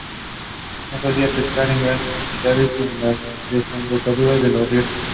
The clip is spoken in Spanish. Se solían pescar en grandes cantidades en las desembocaduras de los ríos.